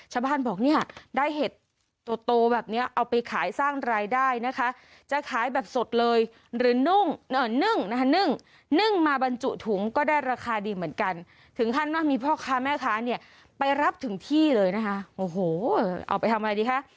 ชาวบ้านบอกเนี่ยได้เห็ดโตแบบนี้เอาไปขายสร้างรายได้นะคะจะขายแบบสดเลยหรือนึ่งนะคะนึ่งนึ่งมาบรรจุถุงก็ได้ราคาดีเหมือนกันถึงขั้นว่ามีพ่อค้าแม่ค้าเนี่ยไปรับถึงที่เลยนะคะโอ้โหเอาไปทำอะไรดีคะ